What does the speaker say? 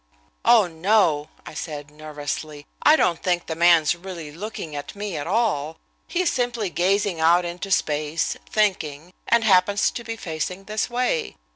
"Oh, no," I said nervously, "I don't think the man's really looking at me at all; he's simply gazing out into space, thinking, and happens to be facing this way.